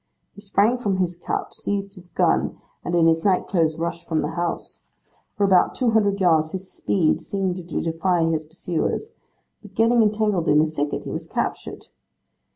He sprang from his couch, seized his gun, and, in his night clothes, rushed from the house. For about two hundred yards his speed seemed to defy his pursuers; but, getting entangled in a thicket, he was captured.